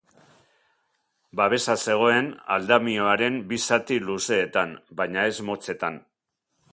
Babesa zegoen aldamioaren bi zati luzeetan, baina ez motzetan.